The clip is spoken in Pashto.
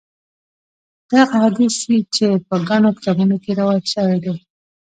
دغه حدیث چې په ګڼو کتابونو کې روایت شوی دی.